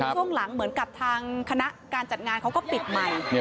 ช่วงหลังเหมือนกับทางคณะการจัดงานเขาก็ปิดใหม่